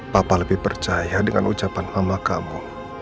papa lebih percaya dengan ucapan mama kamu